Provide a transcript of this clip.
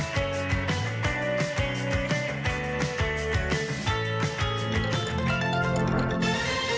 โปรดติดตามตอนต่อไป